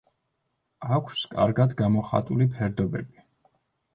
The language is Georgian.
აქვს კარგად გამოხატული ფერდობები.